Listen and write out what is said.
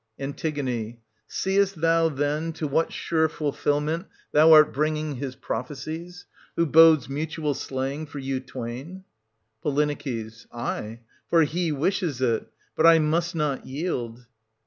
An. Seest thou, then, to what sure fulfilment thou art bringing his prophecies, who bodes mutual slaying for you twain t Po. Aye, for he wishes it :— but I must not yield.